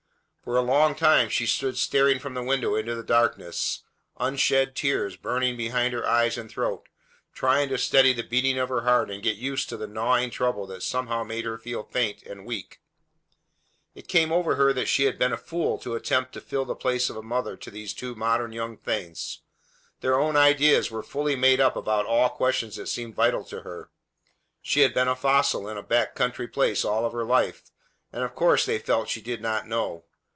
For a long time she stood staring from the window into the darkness, unshed tears burning behind her eyes and throat, trying to steady the beating of her heart and get used to the gnawing trouble that somehow made her feel faint and weak. It came over her that she had been a fool to attempt to fill the place of mother to these two modern young things. Their own ideas were fully made up about all questions that seemed vital to her. She had been a fossil in a back country place all her life, and of course they felt she did not know.